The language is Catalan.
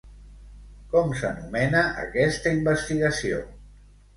Com s'anomena aquesta investigació?